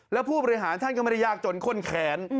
แล้วผู้บริหารท่านก็ไม่ได้ยากจนข้นแขน